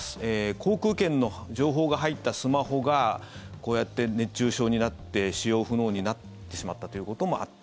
航空券の情報が入ったスマホがこうやって熱中症になって使用不能になってしまったということもあって